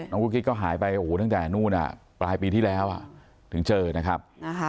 กุ๊กกิ๊กก็หายไปโอ้โหตั้งแต่นู่นปลายปีที่แล้วถึงเจอนะครับ